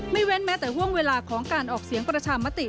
เว้นแม้แต่ห่วงเวลาของการออกเสียงประชามติ